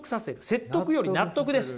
説得より納得です。